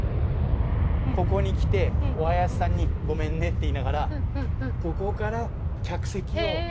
ここに来てお囃子さんにごめんねって言いながらここから客席を。